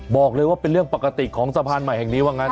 บอกเลยว่าเป็นเรื่องปกติของสะพานใหม่แห่งนี้ว่างั้น